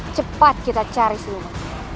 cepat kita cari semua